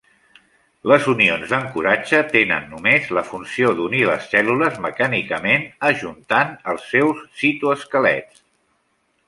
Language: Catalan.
Les unions d'ancoratge tenen només la funció d'unir les cèl·lules mecànicament ajuntant els seus citoesquelets.